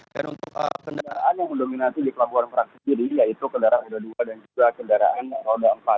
dan untuk kendaraan yang mendominasi di pelabuhan merak sendiri yaitu kendaraan r dua puluh dua dan juga kendaraan r dua puluh empat